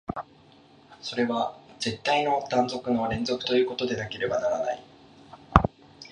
それは絶対の断絶の連続ということでなければならない。